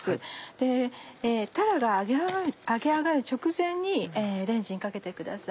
でたらが揚げ上がる直前にレンジにかけてください。